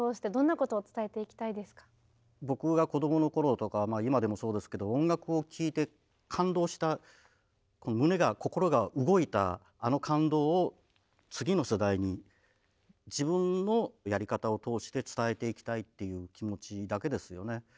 今後僕が子供の頃とか今でもそうですけど音楽を聴いて感動した胸が心が動いたあの感動を次の世代に自分のやり方を通して伝えていきたいっていう気持ちだけですよね。